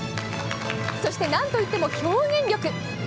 そして何といっても表現力。